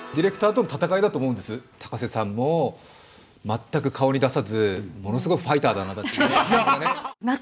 高瀬さんも全く顔に出さずものすごいファイターだなって。